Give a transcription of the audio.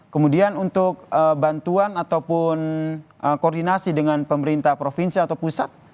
kemudian untuk bantuan ataupun koordinasi dengan pemerintah provinsi atau pusat